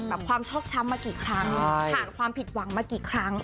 ความชอบช้ำมากี่ครั้งผ่านความผิดหวังมากี่ครั้ง